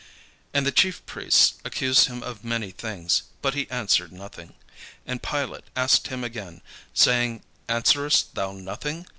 And the chief priests accused him of many things: but he answered nothing. And Pilate asked him again, saying, "Answerest thou nothing?